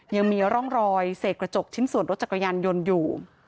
ยังมีร่องรอยเสกกระจกชิ้นส่วนรถจักรยานยนต์อยู่